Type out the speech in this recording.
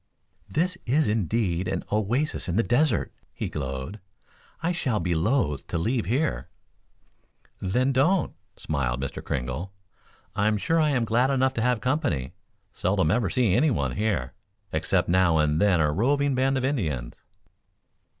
"This is indeed an oasis in the desert," he glowed. "I shall be loath to leave here." "Then don't," smiled Mr. Kringle. "I'm sure I am glad enough to have company. Seldom ever see anyone here, except now and then a roving band of Indians."